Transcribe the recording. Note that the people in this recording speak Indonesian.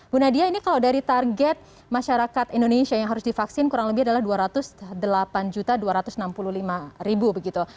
bu nadia ini kalau dari target masyarakat indonesia yang harus divaksin kurang lebih adalah dua ratus delapan dua ratus enam puluh lima begitu